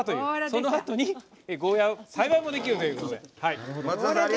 そのあとに、ゴーヤーを栽培もできるということで。